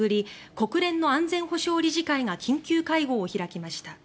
国連の安全保障理事会が緊急会合を開きました。